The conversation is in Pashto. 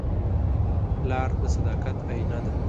پلار د صداقت آیینه ده.